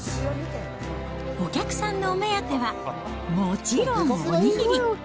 お客さんのお目当ては、もちろんお握り。